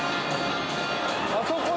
あそこに。